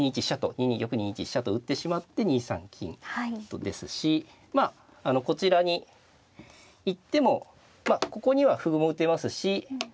２二玉２一飛車と打ってしまって２三金ですしまあこちらに行ってもここには歩も打てますしはい